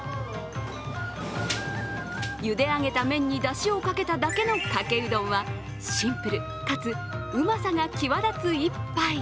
ゆで上げた麺にだしをかけただけのかけうどんはシンプルかつ、うまさが際立つ１杯。